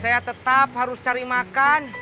saya tetap harus cari makan